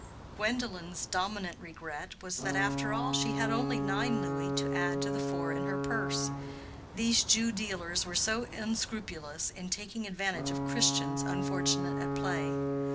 Gwendolen's dominant regret was that after all she had only nine louis to add to the four in her purse: these Jew dealers were so unscrupulous in taking advantage of Christians unfortunate at play!